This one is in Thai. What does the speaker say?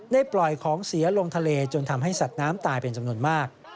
ปล่อยของเสียลงทะเลจนทำให้สัตว์น้ำตายเป็นจำนวนมาก